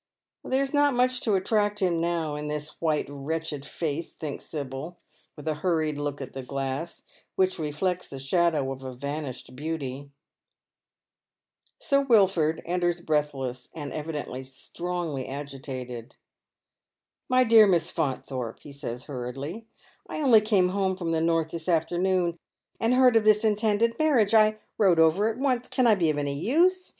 " There is not much to attract him now in this white, wretched face," thinks Sibyl, with a hurried look at the glass, which reflects the shadow of a vanished beauty. Sir Wilford enters breathless, and evidently strongly agitated. " My dear Miss Faunthorpe," he says hurriedly, " I only came home from the north this afternoon, and heard of this intended man iage, I rode over at once. Can I be of any use